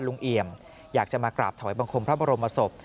เอี่ยมอยากจะมากราบถอยบังคมพระบรมศพ